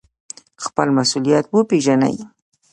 خپل مسوولیت وپیژنئ